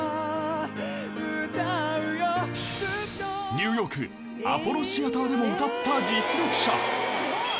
［ニューヨークアポロシアターでも歌った実力者］